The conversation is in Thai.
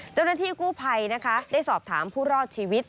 เจ้าหน้าที่กู้ภัยนะคะได้สอบถามผู้รอดชีวิต